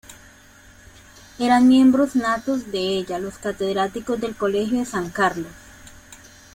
Eran miembros natos de ella los catedráticos del Colegio de San Carlos.